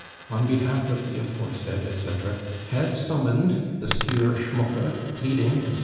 on behalf of the aforesaid, etc., have summoned the Sieur Schmucke, pleading, etc.